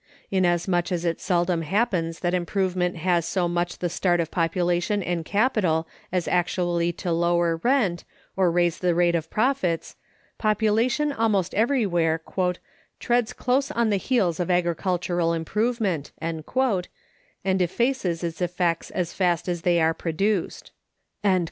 Inasmuch as it seldom happens that improvement has so much the start of population and capital as actually to lower rent, or raise the rate of profits, population almost everywhere "treads close on the heels of agricultural improvement," and effaces its effects as fast as they are produced.